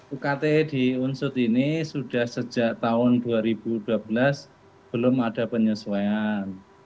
ukt di unsut ini sudah sejak tahun dua ribu dua belas belum ada penyesuaian